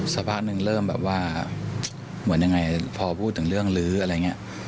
สักพักหนึ่งเริ่มแบบว่าเหมือนยังไงพอพูดถึงเรื่องลื้ออะไรอย่างนี้